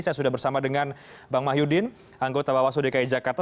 saya sudah bersama dengan bang mahyudin anggota bawaslu dki jakarta